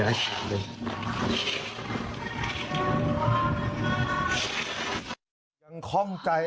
น้ำแข็งเลยยังค่องใจด้วย